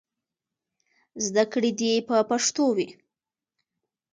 زدهکړې دې په پښتو وي.